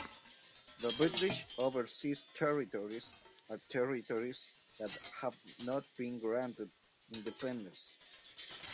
The British Overseas Territories are territories that have not been granted independence.